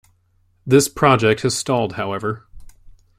This project has stalled, however.